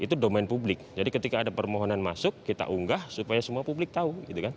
itu domain publik jadi ketika ada permohonan masuk kita unggah supaya semua publik tahu